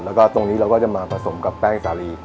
แล้วก็ตรงนี้เราก็จะมาผสมกับแป้งสาลี